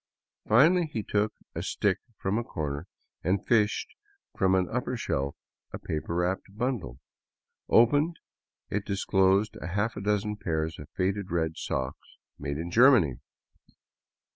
Finally he took a stick from a corner and fished from an upper shelf a paper wrapped bundle. Opened, it disclosed a half dozen pairs of faded red socks, made in Germany.